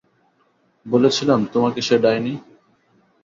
বলেছিলাম তোমাকে সে ডাইনি!